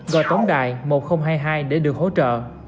gọi tổng đài một nghìn hai mươi hai để được hỗ trợ